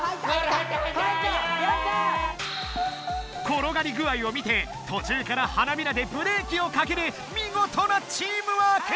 ころがりぐあいを見てとちゅうから花びらでブレーキをかけるみごとなチームワーク！